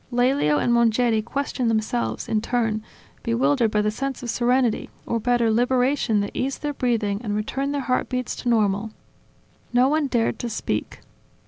Lelio and Mongeri questioned themselves, in turn, bewildered by the sense of serenity, or better liberation that eased their breathing and returned their heartbeats to normal. No one dared to speak.